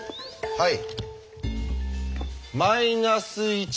はい。